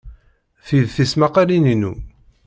Ti d tismaqqalin-inu.